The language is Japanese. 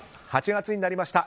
８月になりました。